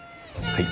はい。